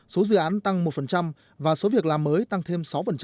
số dự án tăng một và số việc làm mới tăng thêm sáu